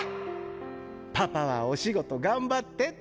パパはお仕事がんばってって！